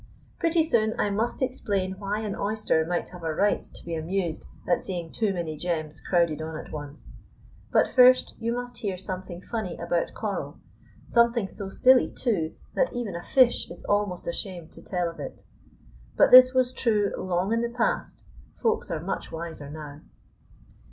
Pretty soon I must explain why an oyster might have a right to be amused at seeing too many gems crowded on at once. But first you must hear something funny about coral, something so silly, too, that even a fish is almost ashamed to tell of it; but this was true long in the past, Folks are much wiser now.